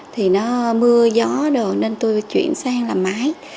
thì nó mưa gió đồ nên tôi chuyển sang làm máy